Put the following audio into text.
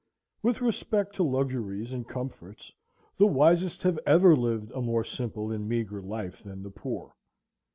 With respect to luxuries and comforts, the wisest have ever lived a more simple and meagre life than the poor.